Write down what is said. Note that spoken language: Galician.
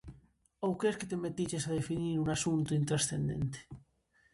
Ou cres que te metiches a definir un asunto intranscendente?